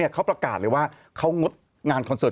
เขาประกาศเลยว่าเขางดงานคอนเสิร์